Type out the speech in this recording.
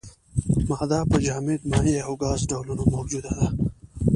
ماده په جامد، مایع او ګاز ډولونو موجوده ده.